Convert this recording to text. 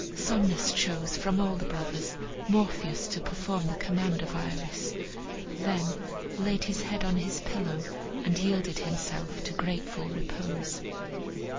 Somnus chose, from all the brothers, Morpheus, to perform the command of Iris; then laid his head on his pillow and yielded himself to grateful repose.